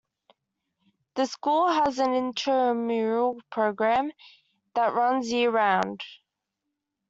The school has an intramural program that runs year-round.